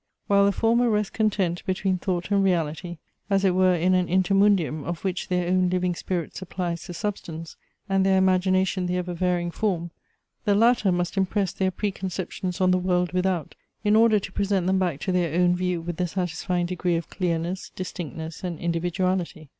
While the former rest content between thought and reality, as it were in an intermundium of which their own living spirit supplies the substance, and their imagination the ever varying form; the latter must impress their preconceptions on the world without, in order to present them back to their own view with the satisfying degree of clearness, distinctness, and individuality.